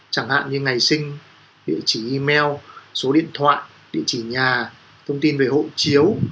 chẳng hạn như ngày sinh địa chỉ email số điện thoại địa chỉ nhà thông tin về hộ chiếu